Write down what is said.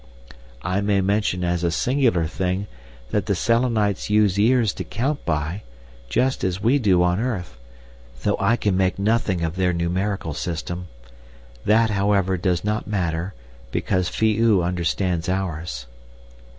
(I may mention as a singular thing, that the Selenites use years to count by, just as we do on earth, though I can make nothing of their numeral system. That, however, does not matter, because Phi oo understands ours.)